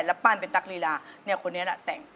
แล้วปั้นเป็นตั๊กรีดาเนี่ยคนนี้แหละแต่ง